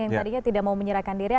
yang tadinya tidak mau menyerahkan diri